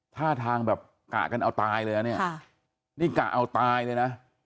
ท่าทางแบบกะกันเอาตายเลยนะเนี่ยนี่กะเอาตายเลยนะ